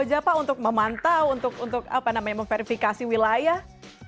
samboja apa untuk memantau untuk memverifikasi wilayah